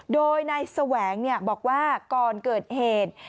โดยนายแสวงบอกว่าก่อนเกิดเหตุ